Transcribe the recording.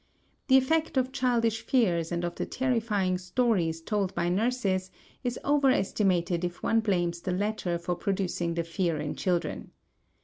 The effect of childish fears and of the terrifying stories told by nurses is overestimated if one blames the latter for producing the fear in children.